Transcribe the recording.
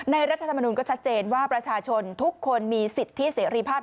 รัฐธรรมนุนก็ชัดเจนว่าประชาชนทุกคนมีสิทธิเสรีภาพ